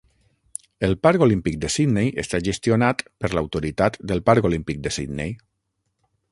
El Parc Olímpic de Sydney està gestionat per l'autoritat del Parc Olímpic de Sydney.